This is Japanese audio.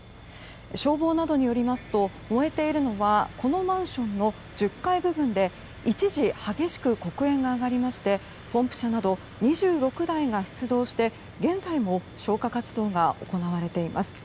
消防などによりますと燃えているのはこのマンションの１０階部分で一時、激しく黒煙が上がりましてポンプ車など２６台が出動して現在も消火活動が行われています。